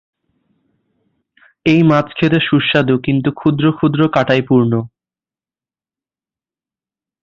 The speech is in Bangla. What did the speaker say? এই মাছ খেতে সুস্বাদু কিন্তু ক্ষুদ্র ক্ষুদ্র কাঁটায় পূর্ণ।